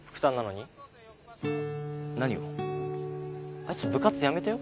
あいつ部活やめたよ